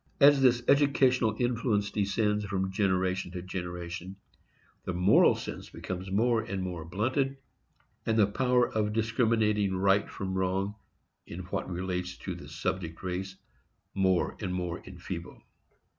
As this educational influence descends from generation to generation, the moral sense becomes more and more blunted, and the power of discriminating right from wrong, in what relates to the subject race, more and more enfeebled.